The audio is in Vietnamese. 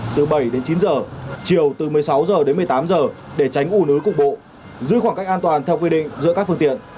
từ bảy đến chín giờ chiều từ một mươi sáu h đến một mươi tám h để tránh ủ núi cục bộ giữ khoảng cách an toàn theo quy định giữa các phương tiện